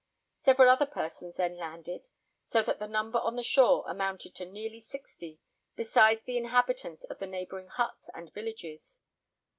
Several other persons then landed, so that the number on the shore amounted to nearly sixty, besides the inhabitants of the neighbouring huts and villages.